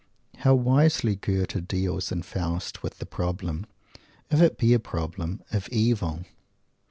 How wisely Goethe deals in Faust with the problem if it be a problem of Evil!